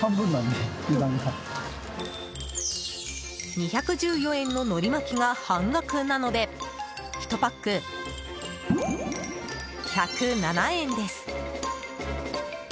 ２１４円ののり巻きが半額なので１パック１０７円です。